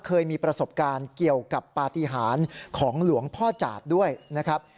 เคยมีประสบการณ์เกี่ยวกับปฏิหารของหลวงพ่อจาดด้วยนะครับ